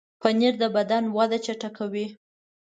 پنېر د بدن وده چټکوي.